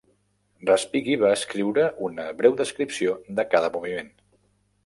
Respighi va escriure una breu descripció de cada moviment.